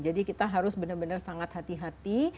jadi kita harus benar benar sangat hati hati